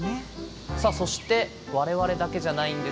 さあそして我々だけじゃないんですよね。